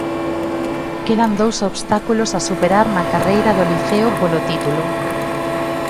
Quedan dous obstáculos a superar na carreira do Liceo polo título.